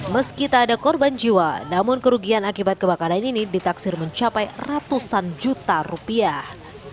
meski tak ada korban jiwa namun kerugian akibat kebakaran ini ditaksir mencapai ratusan juta rupiah